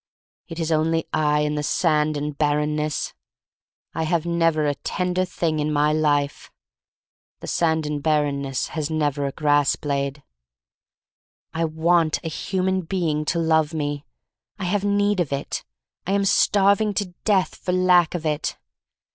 It is only I and the sand and barren ness. I have never a tender thing in my life. The sand and barrenness has never a grass blade. I want a human being to love me. I have need of it. . I am starving to death for lack of it.